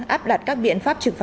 áp đặt các biện pháp trừng phạt